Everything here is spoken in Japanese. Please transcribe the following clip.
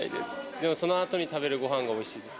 でも、そのあとに食べるごはんがおいしいです。